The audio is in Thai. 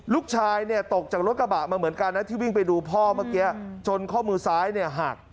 ลูกชายเนี่ยตกจากรถกระบะมาเหมือนกันนะที่วิ่งไปดูพ่อเมื่อกี้จนข้อมือซ้ายเนี่ยหัก